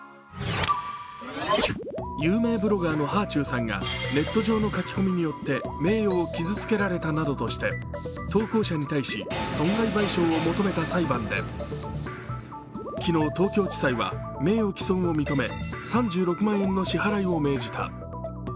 有名ブロガーのはあちゅうさんがネット上の書き込みによって名誉を傷つけられたなどとして投稿者に対し損害賠償を求めた裁判で昨日、東京地裁は名誉棄損を認め３６万円の支払いを命じた。